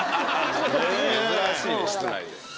珍しい室内で。